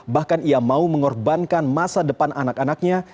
bahkan ia mau mengorbankan masa depan anak anaknya